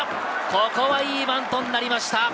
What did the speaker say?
ここは、いいバントになりました。